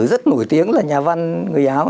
rất nổi tiếng là nhà văn người áo